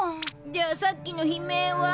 じゃあさっきの悲鳴は？